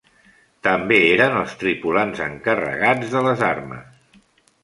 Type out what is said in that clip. També eren els tripulants encarregats de les armes.